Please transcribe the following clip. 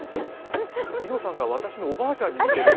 みのさんが私のおばあちゃんに似てる？